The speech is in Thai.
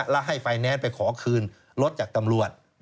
และให้ไฟแนนซ์ไปขอคืนรถจากตำรวจ